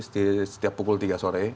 setiap pukul tiga sore